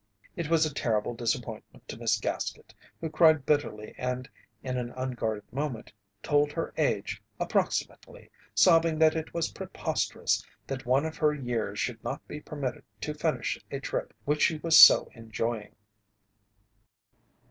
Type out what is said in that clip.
It was a terrible disappointment to Miss Gaskett, who cried bitterly and in an unguarded moment told her age, approximately, sobbing that it was preposterous that one of her years should not be permitted to finish a trip which she was so enjoying.